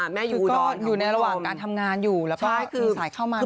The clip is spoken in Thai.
แม่อยู่ดอนของมิโลมคุณค่ะใช่